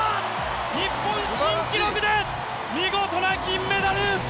日本新記録で見事な金メダル！